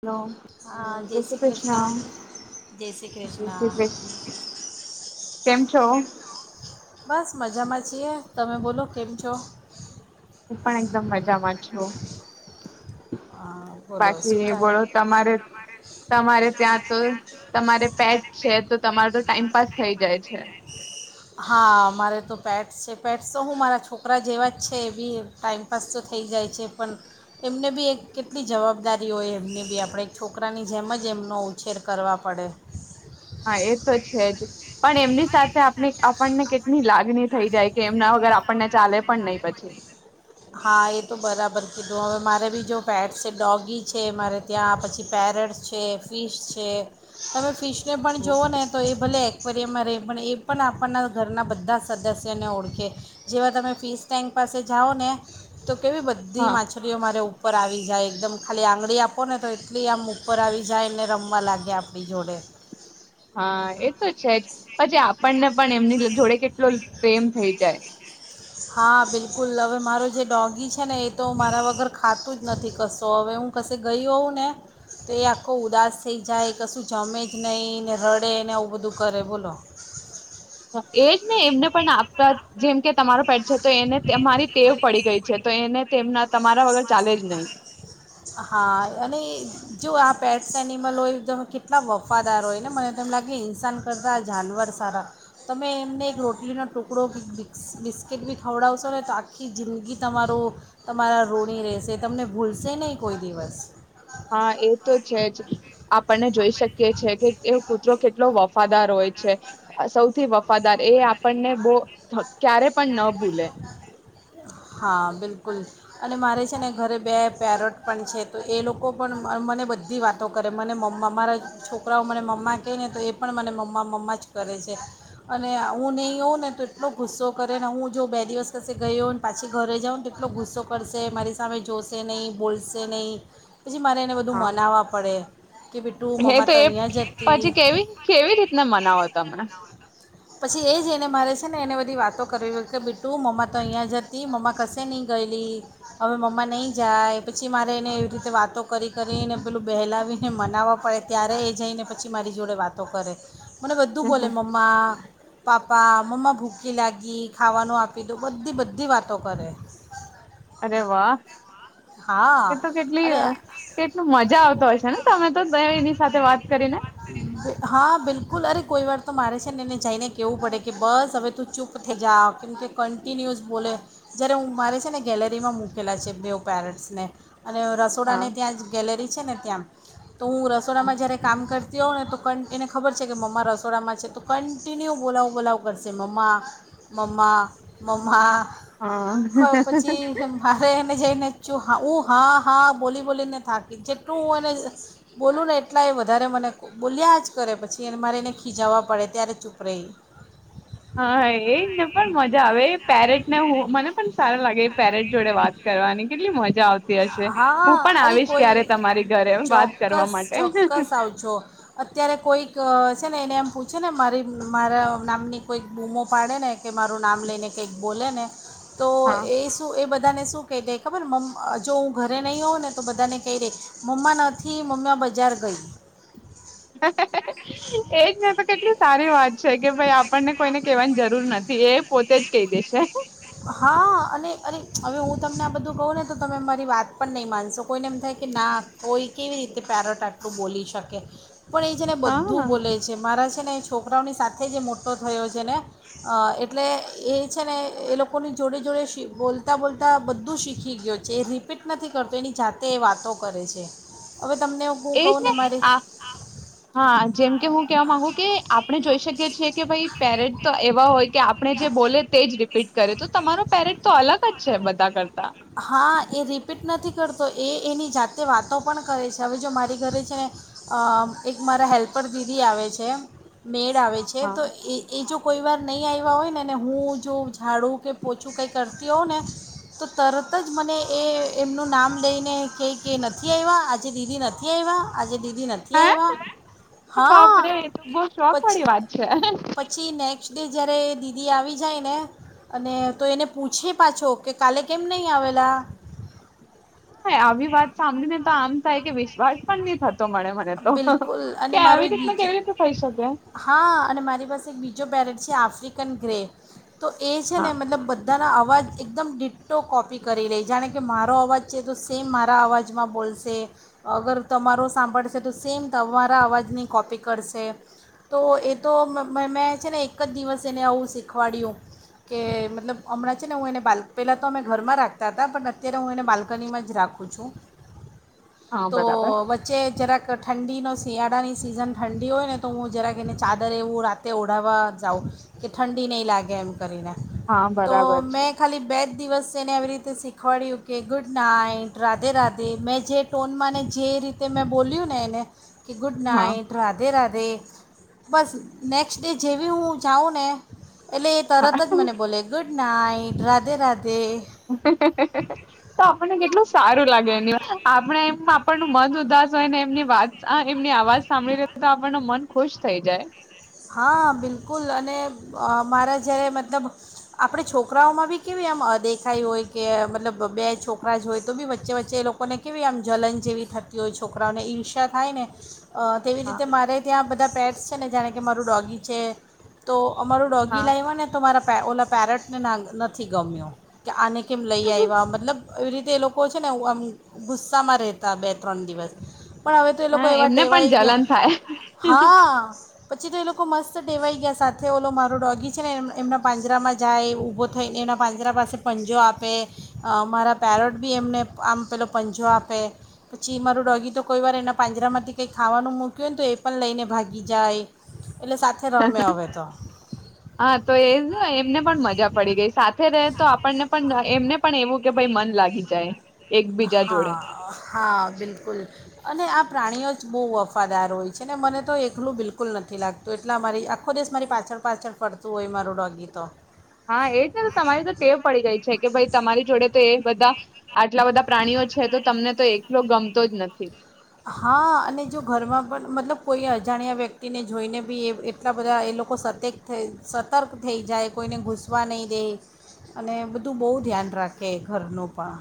હાલો જય શ્રી કૃષ્ણ, જય શ્રી જય શ્રી કૃષ્ણ. કેમ છો? બસ મજામાં છીએ તમે બોલો કેમ છો? હું પણ એકદમ મજામાં છું. હ બોલો શુ બાકી ચાલે [unintelligible] બોલો તમારે તમારે ત્યાં તો તમારે પેટ છે તો તમારો તો ટાઈમપાસ થઈ જાય છે હા મારે તો પેટ છે. પેટ્સ તો હું મારા છોકરા જેવા જ છે એ બી ટાઈઇમપાસ તો થઈ જાય છે પણ એમને બી એક. કેટલી જવાબદારી હોય એમની બી આપણે એક છોકરાની જેમ જ એમનો ઉછેર કરવા પડે. હા એ તો છે જ પણ એમની સાથે આપ આપણને કેટલી લાગણી થઈ જાય કે એમના વગર આપણને ચાલે પણ નહી પછી. હા એ તો બરાબર કીધું હવે મારે બીજો પેટ છે ડોગી છે મારે ત્યાં પછી પેરેટ છે ફિશ છે તમે ફિશ. કે પણ જુવઓ ને તો એ બ્લેક. ફરી અમાંરે પણ એ પણ આપણના ઘરના બધા સદસ્યને ઓળખે જેવા તમે ફીસ ટેન્ક પાસે જાઓ ને. તો કેવી બધી હા માછલીઓ મારે ઉપર. ઉપર આવી જાય એકદમ ખાલી આંગળી આપો ને તો એટલી આમ ઉપર આવી જાય એને રમવા લાગે આપણી જોડે. હા એ તો છે જ પછી આપણને. પણ એમની જોડે કેટલો પ્રેમ થઈ જાય. હા બિલકુલ હવે મારો જે ડોગી છે ને એ તો મારા વગર ખાતું જ નથી કશો હવે હું કશે ગય હોઉં ને તો એ આખો ઉદાસ થઈ જાય કશું જમે જ નહીં ને રડે ને આવું બધું કરે બોલો. હા એજ ને એમને પણ આપતા જેમ કે તમારો પેટ છે તો એને તમારી ટેવ પડી ગઈ છે. તો એને તેમના તમારા વગર ચાલે જ નહી. હા અને જો આ પેટ્સ એનિમલ હોય તમે કેટલા વફાદાર હોય ને મને તો એમ લાગે ઇન્સાન કરતા આ જાનવર સારા તમે એમને એક રોટલીનો ટુકડો કેઈક બિક બિસ્કીિટ બી ખવડાવશો ને તો આખી જિંદગી તમારો તમારા ઋની રહેશે તમને ભૂલશે ને. કોઈ દિવસ. હા એ તો છે જ આપણને જોઈ શકીએ છે કે એ કૂતરો કેટલો વફાદાર હોય છે સૌથી વફાદાર. એ આપણને બહુ [unintelligible] ક્યારે પણ ન ભૂલે. હા બિલકુલ અને મારે છે ને ઘરે બે પેરટ પણ છે તો એ લોકો પણ મને બધી વાતો કરે મને મમ્મા મારા છોકરાઓ મને મમ્મા કહે ને તો એ પણ મને મમ્મા મમ્મા જ કરે છે. અને હું નહીં અવ ને તો એટલો ગુસ્સો કરે ને હું જો બે દિવસ કસે ગઈ હોં ને પાછી ઘરે જાઉં ને તો એટલો ગુસ્સો કરશે મારી સામે જોશે નહીં, બોલશે નહીં. પછી મારે એને બધું મનાવવા પડે. કે બેટું ને મમ્મા તો એ અહીંયા જ હતી પછી કેવી કેવી રીતના મનાવો તને પછી એ જ એને મારે છે ને એને બધી વાતો કરવી કે બીટું મમ્મા તો અહીંયા જતી મમ્મા કશે નહીં ગયેલી હવે મમ્મા નહીં જાય પછી મારે એને એવી રીતે વાતો કરી કરી એને પેલું બહેલાવીને મનાવવા પડે ત્યારે એ જઈને પછી મારી જોડે વાતો કરે. મને બધું બોલે મમ્મા પાપા, મમ્મા ભૂકી લાગી, ખાવાનું આપી દઉ, બધી બધી વાતો કરે. અરે વા. હા એતો કેટલી અ અને કેટલી મજા આવતો હોય છે ને તમે તો બે એની સાથે વાત કરીને. હા બિલકુલ અરે કોઈ વાર તો મારે છે ને એને જઈને કેહેવું પડે કે બસ હવે તું ચૂપ થઈ જા કેમ કે કન્ટિન્યુઅસ બોલે જ્યારે હું મારે છે ને ગેલેરીમાં મૂકેલા છે બેવ પેરન્ટ્સને. અને હા રસોડાની ત્યાં જ ગેલેરી છે ને. ત્યાં તો હું રસોડામાં જ્યારે કામ કરતી હોઉં ને તો ક એને ખબર છે કે મમ્મા રસોડામાં છે તો કન્ટિન્યુ બોલાવો બોલાવ કરશે મમ્મા, મમ્મા, મમ્મા. હા ખ પછી મારે એને જઈને જો હા હું હા હા બોલી બોલીને થાકી જેટલું હું એને બોલું ને એટલા એ વધારે મને બોલ્યા જ કરે પછી એ મારે એને ખીજાવવા પડે ત્યારે ચૂપ રહી. હા એજ ને પણ મજા આવે પેરેટ ને હું મને પણ સારું લાગે પેરેટ જોડે વાત કરવાની કેટલી મજા આવતી હશે હું હા પણ અરે આવીશ ક્યારે કોઈ તમારી ઘરે વાત કરવા ચોક્કસ માટે. ચોક્કસ આવજો અત્યારે કોઈક છે એને એમ પૂછે ને મારી મારા નામની કોઈક બૂમો પાડે ને કે મારું નામ લઈને કંઈક બોલે ને તો. હા એ શું એ બધાને શું. કહી દે ખબરને મ્મ જો હું ઘરે નહીં હોઉં ને તો બધાને કહી દે મમ્મા નથી મમ્મા બજાર ગઈ. એજ તો કેટલી સારી વાત છે કે ભાઈ આપ. આપણને કોઈને કવાની જરૂર નથી એ પોતે જ કહી દેશે. હા અને અરે હવે હું તમને આ બધું કહું ને તો તમે મારી વાત પણ નહીં માનશો કોઈને એમ થાય કે ના કોઈ કેવી રીતે પેરટ આટલું બોલી શકે. પણ એ છે ને બધું હા બોલે છે મારા છે ને. છોકરાઓની સાથે જે મોટો. થયો છે ને એટલે એ છે ને એ લોકોની જોડે જોડે બોલતાં બોલતાં બધું શીખી ગયું છે એ રિપીટ નથી કરતો એની જાતે એ વાતો કરે છે. હવે તમને હું એજ કહું ને મારી આ હા જેમ કે હું કેવા માંગુ કે આપણે જોઈ શકીએ છીએ કે ભાઈ. પેરેટ તો એવા હોય કે આપણે જે બોલે તે જ રિપીટ કરે તો તમારો પેરેટ તો અલગ જ છે બધા કરતા. તો એ એની જાતે વાતો પણ કરે છે હવે જો મારી ઘરે છેને એક મારા હેલ્પર દીદી આવે છે મેડ આવે છે. તો હા એ એ જો કોઈ વાર નહીં આવ્યા હોય ને ને હું જો ઝાડું કે પોછું કંઈ કરતી હોઉં ને તો તરત જ મને એ એમનું નામ લઈને કંઈ ક નથી આવ્યા આજે દીદી નથી આવ્યા આજે દીદી. નથી હે આવ્યા હા બાપરેે તો બહ શોખ પછી વાળી વાત છે. પછી નેક્સ્ટ ડે જ્યારે દીદી આવી જાય ને અને તો એને પૂછે પાછો કે કાલે કેમ નહીં આવેલા. હા આવી વાત સાંભળીને તો આમ. થાય કે વિશ્વાસ પણ નહી થ બિલકુલ અને મારો એક રીતના બીજો કેવી રીતે થઈ શકે હા અને મારી પાસે એક બીજો પેરેટ છે આફ્રિકન ગ્રે. તો એ છે હા ને મતલબ બધાના અવાજ એકદમ દી ફોટો કોપી કરી લે જાણે કે મારો અવાજ છે તો સેમ મારા અવાજમાં બોલશે અગર તમારો સાંભળ તો સેમ તમારા અવાજની કોપી કરશે, તો એ તો મેં છે ને એક જ દિવસ એને આવું શીખવાડ્યું કે મતલબ હમણાં છે ને હું એને બા પહેલાં તો અમે ઘરમાં રાખતા હતા પણ અત્યારે હું એને બાલ્કનીમાં જ રાખું છું. હા તો બરાબર વચ્ચે જરાક. તો ઠંડીનો શિયાળાની સિઝન ઠંડી હોય ને તો હું જરાક એને ચાદર એવું રાતે ઓઢાવવા જાઉં કે ઠંડી નહીં લાગે એમ. કરીને હા તો બરાબર મેં છે ખાલી બે જ દિવસ. તેને એવી રીતે શીખવાડ્યું કે ગુડ નાઈટ રાધે રાધે મેં જે ટોનમાં ને જે રીતે મેં બોલ્યું ને એને. કે ગુડ હા નાઇટ, રાધે રાધે. બસ નેક્સ્ટ ડે જેવી હું જાઉં ને. એટલે એ તરત હા જ મને બોલે ગુડ નાઈટ. રાધે રાધ તો આપણને કેટલું સારું લાગે એની આપણે એમ આપણ ન મન ઉદાસ હોયને એમની વાત એમની અવાજ સાંભળી લે તો આપણ ન મન ખુશ થઈ જાય. હા બિલકુલ અને મારા જ્યારે મતલબ આપણે છોકરાઓમાં બી કેવી એમ દેખાય હોય કે મતલબ બે છોકરા જ હોય તો બી વચ્ચે વચ્ચે એ લોકોને કેવી એમ જલન જેવી થતી હોય છોકરાઓને ઈર્ષ્યા થાય ને. અ તેવી હા રીતે મારે ત્યાં બધા પેડ. [unintelligible] કે મારું ડોગી છે તો. અમારું ડોગી હા લાયવા ને તો મારા. પે ઓલા પેરેટને ના નથી ગમ્યો કે આને કેમ લઈ આયવા મતલબ. એવી રીતે એ લોકો છે ને આવું આમ ગુસ્સામાં રહેતા બે ત્રણ દિવસ. પણ હવે તો એ હા લોકો એવા એમને પણ ટેવાય જલન થાય ગયા. પછી તો એ લોકો મસ્ત ટેવાઈ ગ્યા સાથે ઓલો માર ડોગી છે ને એ એમના પાંજરામાં જાય ઊભો થઈને એના પાંજરા પાસે પંજો આપે અ મારા પેરોટ બી એમને આમ પેલો પંજો આપે પછી મારું ડોગી તો કોઈ વાર એના પાંજરામાંથી કંઈ ખાવાનું મૂક્યું હોય ને તો એ પણ લઈને ભાગી જાય. એટલે સાથે રમે હવે તો હા તો એ એમને પણ મજા પડી ગઈ સાથે રહે તો આપણને પણ એમને પણ એવું કે ભઈ મન લાગી જાય. એકબીજા જોડે હા, હા બિલકુલ. અને આ પ્રાણીઓ જ બહુ વફાદાર હોય છે ને મને તો એકલું બિલકુલ નથી લાગતું એટલા મારી આખો દિવસ મારી પાછળ પાછળ ફરતું હોય મારું ડોગી તો. હા એજ ને તમારી તો ટેવ પડી ગઈ છે કે ભઈ તમારી જોડે તો એ બધા. આટલા બધા પ્રાણીઓ છે તો તમને તો એકલો ગમતો જ નથી. હા અને જો ઘરમાં પણ મતલબ કોઈ અજાણ્યા વ્યક્તિને જોઈને બી એ એટલા બધા એ લોકો સતક થ સતર્ક થઈ જાય કોઈને ઘૂસવા નહીં દે. અને બધું બોવ ધ્યાન રાખે. ખે ઘરનું પણ.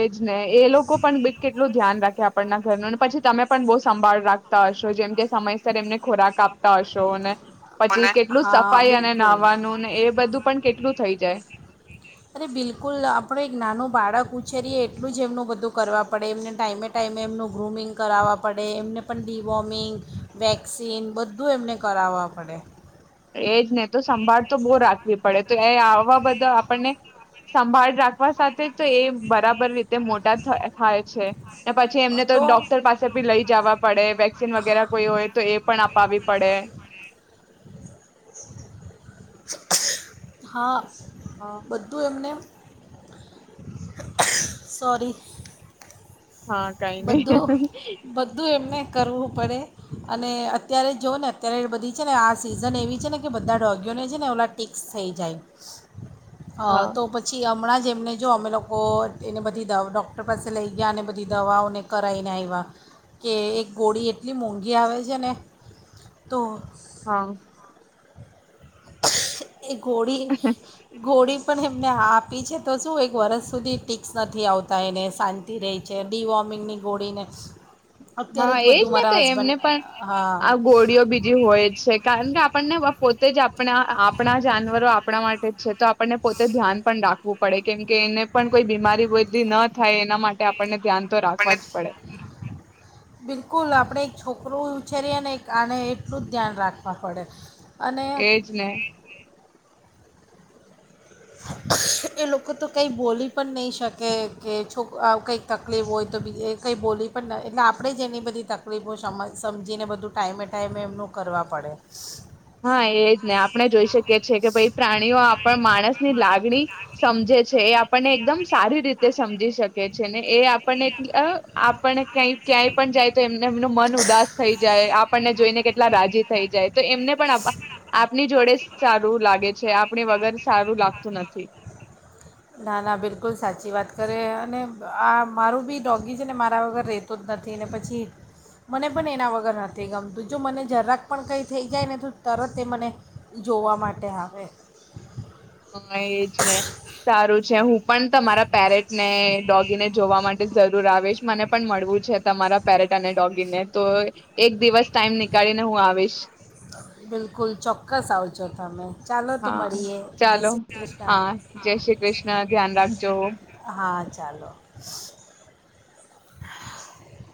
એજને એલોકો પણ બી કેટલું ધ્યાન રાખે આપણના ઘરનુંને પછી તમે પણ બહુ સંભાળ રાખતા હશો જેમ કે સમયસર એમને ખોરાક આપ પતા હશો ને પછી કેટલું હા સફાઈ અને બિલકુલ નાહવાનું ને એ બધું પણ કેટલું થઈ જાય. અરે બિલકુલ આપણે એક નાનું બાળક ઉછેરીએ એટલુંજ એમનું બધું કરવા પડે, એમને ટાઈમે ટાઈમે એમનું ગ્રૂમિંગ કરાવવા પડે, એમને પણ ડીવોમિંગ, વેક્સિન બધ બધું એમને કરાવવા પડે. એજને તો સંભાળ તો બો રાખવી પડે તો એ આવા બધા આપણને સંભાળ રાખવા સાથે તો એ બરાબર રીતે મોટા થાય છે. પછી એમને તો ડોક્ટર પાસે ભી લઈ જવા પડે, વેક્સિન વગેરે કોઈ હોય તો એ પણ અપાવી પડે. હા. હા બધું એમને સોરી હા, કઈ નય બધું બધું એમને કરવું પડે અને અત્યારે જોઓ ને અત્યારે બધી છે ને આ સિઝન એવી છે ને કે બધા ડોગીયોને છે ને ઓલા ટિક્સ થઈ જાય. હા, તો પછી હમણાંજ એમને જો અમે લોકો એને બધી દ ડોક્ટર પાસે લઈ ગયા અને બધી દવાઓને કરાયને આવ્યા, કે એક ગોળી એટલી મોંઘી આવે છે ને, તો હા. એ ગોળી, ગોળી પણ એમને આપી છે, તો શું એક વર્ષ સુધી ટીક્સ નથી આવતા એને શાંતિ રહી છે. ને ડી વોમિગ ગોળી ને હા એજ ને તો એમને પણ હા આ ગોળીઓ બીજી હોય જ છે કારણ કે આપણને પોતે જ આપ આપણા આપણા જાનવરો આપણા માટે જ છે. તો આપણને પોતે ધ્યાન પણ રાખવું પડે કેમ કે એને પણ કોઈ બીમારી બધી ન થાય એના માટે આપણને ધ્યાન તો રાખવા જ પડે. બિલકુલ આપણે એક છોકરું ઉછેરીએ ને એક આને એટલું જ ધ્યાન રાખવા પડે. અને એજ ને. એ લોકો તો કંઈ બોલી પણ નહીં શકે કે છોક કંઈક તકલીફ હોય તો બી એ કંઈ બોલી પણ ન એટલે આપણે જ એની બધી તકલીફો સમ સમજીને બધું ટાઈમે-ટાઈમે એમનું કરવા પડે. હા એજ ને આપણે જોઈ શકીએ છીએ કે ભાઈ પ્રાણીઓ આપણ માણસ ની લાગણી સમજે છે એ આપણને એકદમ સારી રીતે સમજી શકે છે ને એ આપણને આપણને ક્યા ક્યાંય પણ જાય તો એમને એમનું મન ઉદાસ થઈ જાય, આપણને જોઈને કેટલા રાજી થઈ જાય તો એમને આપની જોડે સારું લાગે છે આપણી વગર સારું લાગતું નથી ના ના બિલકુલ સાચી વાત. કરે અને આ મારું બી ડોગી છે ને મારા વગર રહેતો જ નથી ને પછી મને પણ એના વગર નથી, ગમતું જો મને જરાક પણ કંઈ થઈ જાય ને તો તરત એ મને જોવા માટે આવે. હા એજ ને સારું છે હું પણ તમારા પેરેટ ને ડોગીને જોવા માટે જરૂર આવીશ મને પણ મળવું છે તમારા પેરેટ અને ડોગીને તો એક દિવસ ટાઈમ નીકાળીને હું આવીશ. ચથામે ચાલો તો હા મળીએ જે ચાલો શ્રી કૃષ્ણ હા જય શ્રી કૃષ્ણ ધ્યાન રાખજો હા ચાલો.